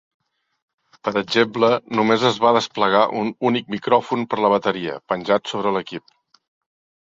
Per exemple, només es va desplegar un únic micròfon per la bateria, penjat sobre l'equip.